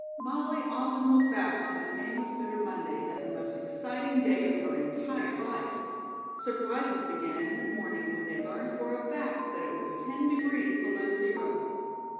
Molly often looked back on that famous bitter Monday as the most exciting day of her entire life. Surprises began in the morning when they learned for a fact that it was ten degrees below zero.